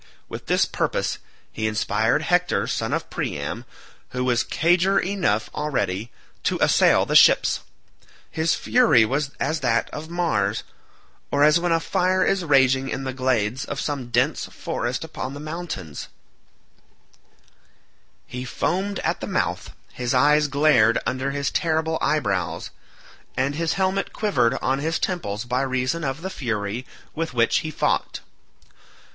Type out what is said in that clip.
With this purpose he inspired Hector son of Priam, who was eager enough already, to assail the ships. His fury was as that of Mars, or as when a fire is raging in the glades of some dense forest upon the mountains; he foamed at the mouth, his eyes glared under his terrible eyebrows, and his helmet quivered on his temples by reason of the fury with which he fought.